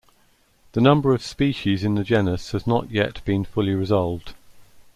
The number of species in the genus has not yet been fully resolved.